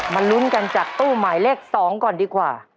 ลุ้นกันจากตู้หมายเลข๒ก่อนดีกว่า